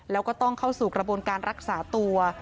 แล้วก็ต้องเข้าสู่กระบวนการรักษาตัว